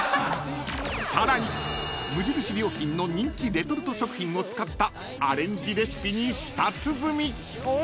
［さらに無印良品の人気レトルト食品を使ったアレンジレシピに舌鼓］